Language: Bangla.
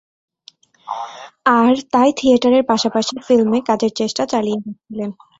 আর তাই থিয়েটারের পাশাপাশি ফিল্মে কাজের চেষ্টা চালিয়ে যাচ্ছিলেন।